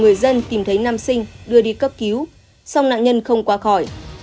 người dân tìm thấy nam sinh đưa đi cấp cứu xong nạn nhân không qua khỏi